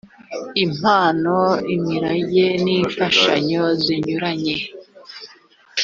impano imirage n imfashanyo zinyuranye